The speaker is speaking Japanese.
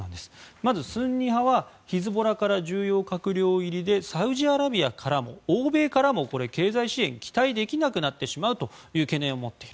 まずスンニ派はヒズボラから重要閣僚入りでサウジアラビアからも欧米からも経済支援が期待できなくなってしまうという懸念を持っている。